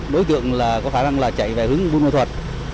đối tượng có khả năng chạy về hướng bung ngoi thuật